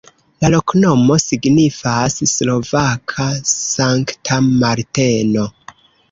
La loknomo signifas: slovaka-Sankta Marteno.